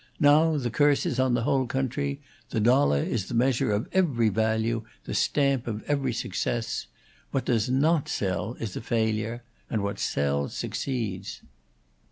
Now the curse is on the whole country; the dollar is the measure of every value, the stamp of every success. What does not sell is a failure; and what sells succeeds."